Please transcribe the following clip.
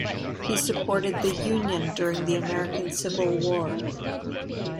He supported the Union during the American Civil War.